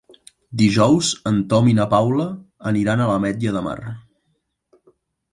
Dijous en Tom i na Paula aniran a l'Ametlla de Mar.